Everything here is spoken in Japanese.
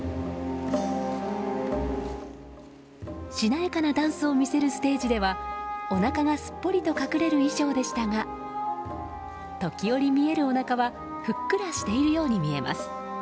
しなやかなダンスを見せるステージではおなかがすっぽりと隠れる衣装でしたが時折見えるおなかはふっくらしているように見えます。